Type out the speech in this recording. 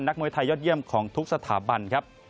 นักมวยไทยยอดเยี่ยมของทุกสถาบัน